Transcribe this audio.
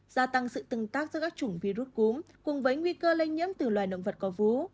gia tăng sự tương tác giữa các chủng virus cúm cùng với nguy cơ lây nhiễm từ loài động vật có vú